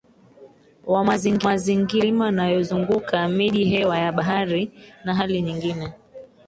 wa mazingira Milima inayozunguka miji hewa ya bahari na hali nyingine